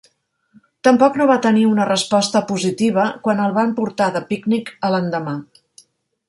Tampoc no va tenir una resposta positiva quan el van portar de pícnic a l'endemà.